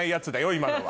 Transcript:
今のは。